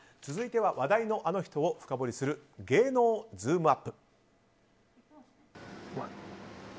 続いては話題のあの人を深掘りする芸能ズームＵＰ！